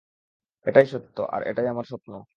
এটাই সত্য আর এটাই আমার স্বপ্ন।